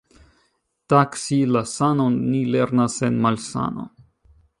Taksi la sanon ni lernas en malsano.